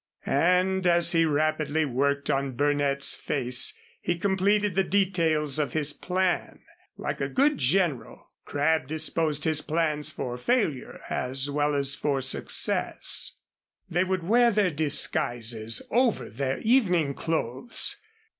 And as he rapidly worked on Burnett's face he completed the details of his plan. Like a good general, Crabb disposed his plans for failure as well as for success. They would wear their disguises over their evening clothes.